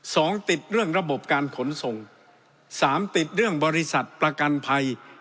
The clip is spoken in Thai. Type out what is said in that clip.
สองติดเรื่องระบบการขนส่งสามติดเรื่องบริษัทประกันภัย